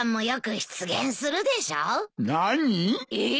えっ？